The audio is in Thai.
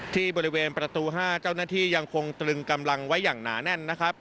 ที่บริเวณประตู๕เจ้าหน้าที่ยังคงตรึงกำลังไว้อย่างหนาแน่นนะครับ